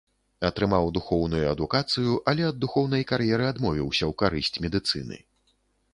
Атрымаў духоўную адукацыю, але ад духоўнай кар'еры адмовіўся ў карысць медыцыны.